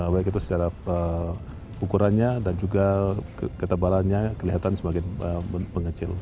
baik itu secara ukurannya dan juga ketebarannya kelihatan semakin mengecil